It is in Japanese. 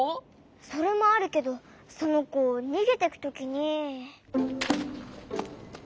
それもあるけどそのこにげてくときに。